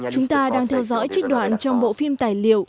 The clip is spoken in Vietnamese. chúng ta đang theo dõi trích đoạn trong bộ phim tài liệu